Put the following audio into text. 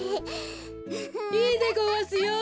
いいでごわすよ！